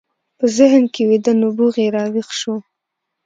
په ذهن کې ویده نبوغ یې راویښ شو